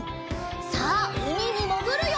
さあうみにもぐるよ！